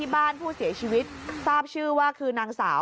บ้านผู้เสียชีวิตทราบชื่อว่าคือนางสาว